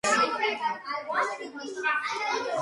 უძველესი ადამიანის დასახლება მდებარეობს დონის დიდი ტერასის ძირში.